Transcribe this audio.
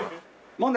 問題。